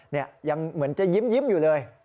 เนี่ยยังเหมือนจะยิ้มอยู่เลย